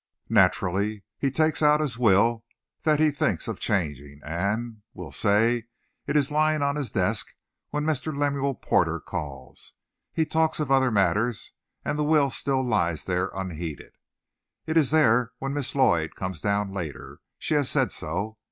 Naturally, he takes out his will, that he thinks of changing, and we'll say it is lying on his desk when Mr. Lemuel Porter calls. He talks of other matters, and the will still lies there unheeded. It is there when Miss Lloyd comes down later. She has said so.